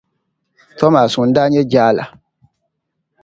Tomas ŋun daa nyɛ jaa la.